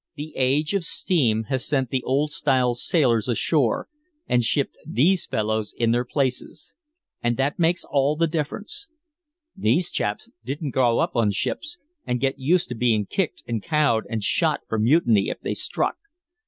"The age of steam has sent the old style sailors ashore and shipped these fellows in their places. And that makes all the difference. These chaps didn't grow up on ships and get used to being kicked and cowed and shot for mutiny if they struck.